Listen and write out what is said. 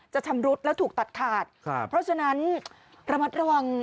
ชำรุดแล้วถูกตัดขาดครับเพราะฉะนั้นระมัดระวัง